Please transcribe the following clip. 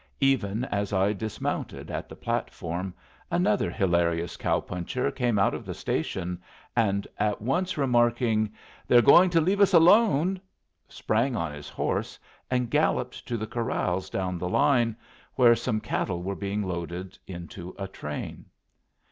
Even as I dismounted at the platform another hilarious cow puncher came out of the station, and, at once remarking, "They're going to leave us alone," sprang on his horse and galloped to the corrals down the line, where some cattle were being loaded into a train.